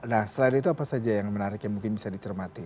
nah selain itu apa saja yang menarik yang mungkin bisa dicermati